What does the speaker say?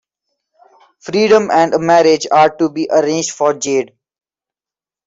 Freedom and a marriage are to be arranged for Jade.